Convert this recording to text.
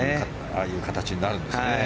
ああいう形になるんですね。